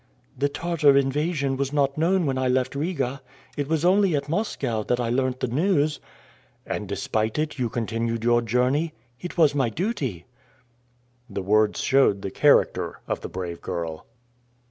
"The Tartar invasion was not known when I left Riga. It was only at Moscow that I learnt the news." "And despite it, you continued your journey?" "It was my duty." The words showed the character of the brave girl.